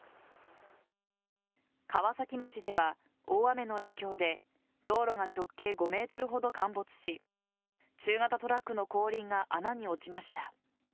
川崎町では、大雨の影響で道路が直径５ｍほど陥没し中型トラックの後輪が穴に落ちました。